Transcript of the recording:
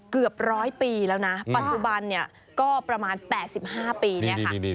เกือบร้อยปีแล้วนะปัจจุบันก็ประมาณ๘๕ปี